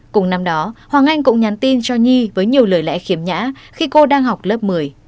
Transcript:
cùng năm đó hoàng anh cũng nhắn tin cho nhi với nhiều lời lẽ khiếm nhã khi cô đang học lớp một mươi